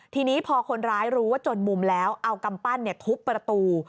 ทีนี้พอคนร้ายรู้ว่าจนมุมแล้วเอากำปั้นทุบประตู